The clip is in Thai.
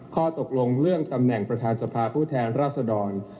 ข้อตกลงเรื่องตำแหน่งประธานสภาผู้แทนราษดร